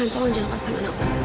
dan tolong jangan lepas tangan aku